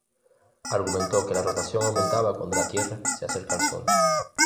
Argumentó que la rotación aumentaba cuando la Tierra se acerca al Sol.